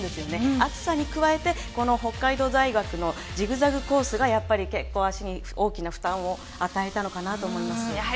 暑さに加えて北海道大学のジグザグコースが結構、足に大きな負担を与えたのかなと思います。